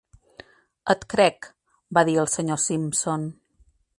"Et crec", va dir el senyor Simpson.